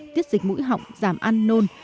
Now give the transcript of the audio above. tiết dịch mũi họng giảm ăn nôn